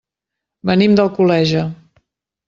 Venim d'Alcoleja.